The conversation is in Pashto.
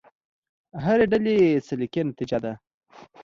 هرې ډلې سلیقې نتیجه ده.